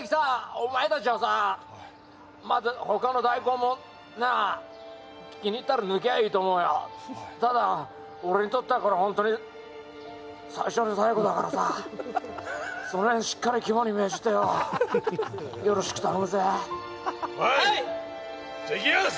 お前たちはさまた他の大根もな気に入ったら抜きゃいいと思うよただ俺にとってはこれホントに最初で最後だからさそのへんしっかり肝に銘じてよよろしく頼むぜはいじゃいきます